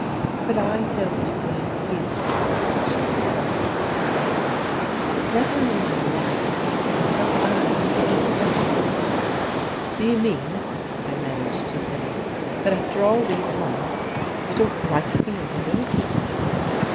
"But I don't love you," she replied, steadily. Never in my life had I been so utterly taken aback. "Do you mean," I managed to say, "that after all these months you don't like me a little?"